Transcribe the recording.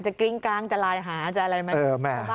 จะกริ้งกลางจะลายหาจะอะไรมั้ย